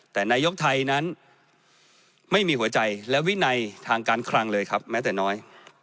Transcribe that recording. แต่นายกไทยนั้นไม่มีหัวใจและวินัยทางการคลังเลยครับแม้แต่น้อย